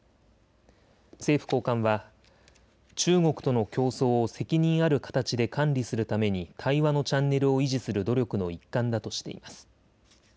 政府高官は中国との競争を責任ある形で管理するために対話のチャンネルを維持する努力の一環だとしています。